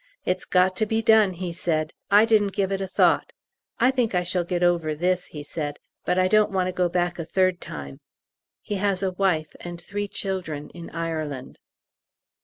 "It's got to be done," he said. "I didn't give it a thought. I think I shall get over this," he said, "but I don't want to go back a third time." He has a wife and three children in Ireland.